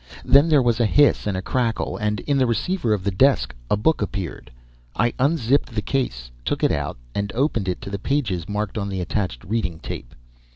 Then there was a hiss and a crackle, and in the receiver of the desk a book appeared. I unzipped the case, took it out, and opened it to the pages marked on the attached reading tape.